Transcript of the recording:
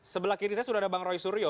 sebelah kiri saya sudah ada bang roy suryo